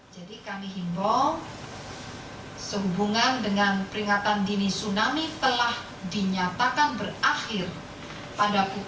jadi kami himbong sehubungan dengan bapak